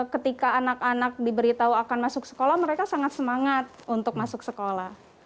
ketika anak anak diberitahu akan masuk sekolah mereka sangat semangat untuk masuk sekolah